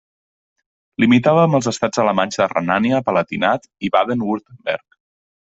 Limitava amb els estats alemanys de Renània-Palatinat i Baden-Württemberg.